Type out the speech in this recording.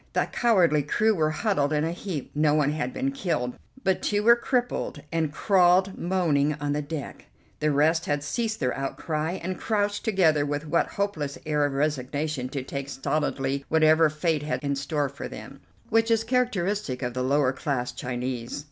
The cowardly crew were huddled in a heap; no one had been killed, but two were crippled and crawled moaning on the deck; the rest had ceased their outcry and crouched together with that hopeless air of resignation to take stolidly whatever fate had in store for them, which is characteristic of the lower class Chinese.